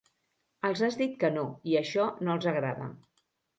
Els has dit que no, i això no els agrada.